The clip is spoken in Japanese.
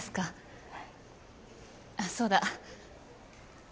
あっそうだ。